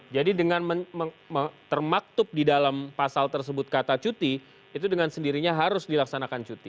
jadi dengan termaktub di dalam pasal tersebut kata cuti itu dengan sendirinya harus dilaksanakan cuti